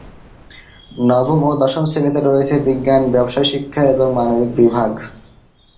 নবম ও দশম শ্রেণীতে রয়েছে বিজ্ঞান, ব্যাবসায় শিক্ষা এবং মানবিক বিভাগ।